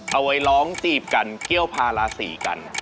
เอาไว้ร้องจีบกันเกี่ยวพาราศีกัน